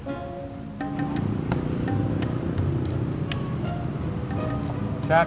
udah nangis enggak